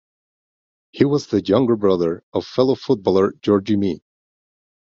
He was the younger brother of fellow footballer Georgie Mee.